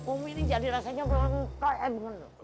umi ini jadi rasanya donkol